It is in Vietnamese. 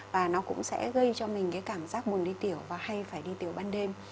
và nó cũng sẽ gây cho mình cái cảm giác buồn đi tiểu và hay phải đi tiểu ban đêm